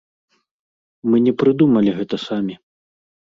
Мы не прыдумалі гэта самі.